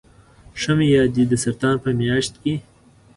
ښه مې یاد دي د سرطان په میاشت کې.